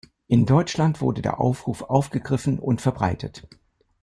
In Deutschland wurde der Aufruf aufgegriffen und verbreitet.